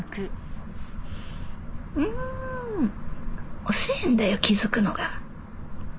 遅えんだよ気付くのが。